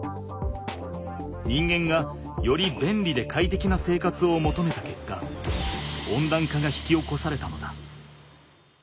人間がより便利でかいてきな生活をもとめたけっか温暖化が引き起こされたのだ。